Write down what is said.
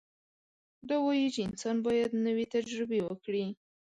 دا وایي چې انسان باید نوې تجربې وکړي.